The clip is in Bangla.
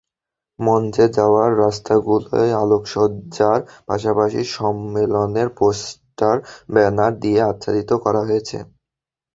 মঞ্চে যাওয়ার রাস্তাগুলোয় আলোকসজ্জার পাশাপাশি সম্মেলনের পোস্টার-ব্যানার দিয়ে আচ্ছাদিত করা হয়েছে।